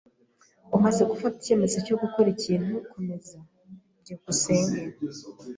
Umaze gufata icyemezo cyo gukora ikintu, komeza. byukusenge